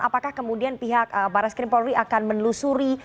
apakah kemudian pihak barat skrim polri akan melusuri